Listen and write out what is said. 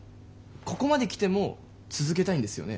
ここまで来ても続けたいんですよね？